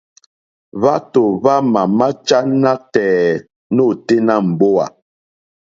Hwátò hwámà máchá nátɛ̀ɛ̀ nôténá mbówà.